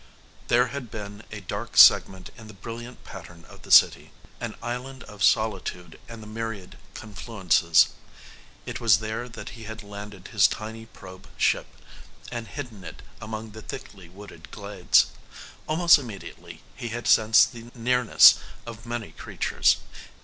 There had been a dark segment in the brilliant pattern of the city. An island of solitude amid the myriad confluences. It was there that he had landed his tiny probe ship and hidden it among the thickly wooded glades. Almost immediately he had sensed the nearness of many creatures.